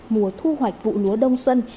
mùa thu hoạch vụ lúa đông xuân